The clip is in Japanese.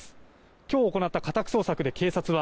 今日行った家宅捜索で警察は